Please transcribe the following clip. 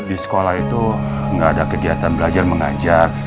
di sekolah itu nggak ada kegiatan belajar mengajar